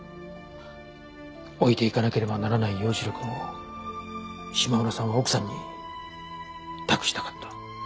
置いていかなければならない耀一郎くんを島村さんは奥さんに託したかった。